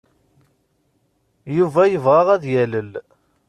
Yuba yebɣa ad yalel.